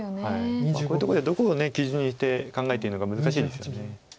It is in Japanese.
こういうとこでどこを基準にして考えていいのか難しいですよね。